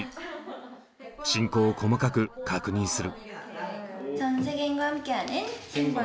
進行を細かく確認する。